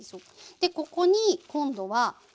でここに今度は。